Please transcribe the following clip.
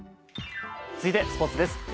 続いて、スポーツです。